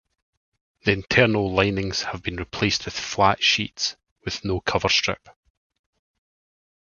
The internal linings have been replaced with flat sheets with no cover strip.